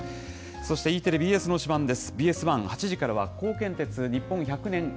そしてＥテレ、ＢＳの推しバン！です。